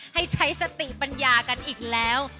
ให้ใช้สติปัญญากันอีกแล้ว